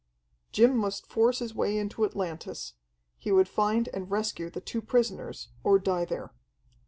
Jim must force his way into Atlantis. He would find and rescue the two prisoners or die there.